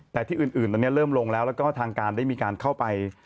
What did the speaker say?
แต่ที่อื่นตอนนี้เริ่มลงแล้วแล้วก็ทางการได้มีการเข้าไป